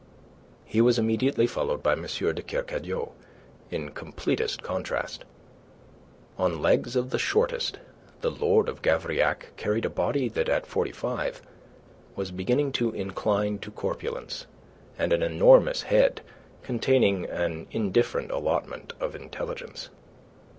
He was immediately followed by M. de Kercadiou, in completest contrast. On legs of the shortest, the Lord of Gavrillac carried a body that at forty five was beginning to incline to corpulence and an enormous head containing an indifferent allotment of intelligence.